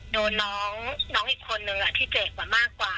โดนน้องอีกคนนึงอ่ะที่เจ็บมากกว่า